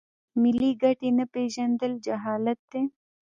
ملي ګټې نه پیژندل جهالت دی.